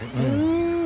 うん。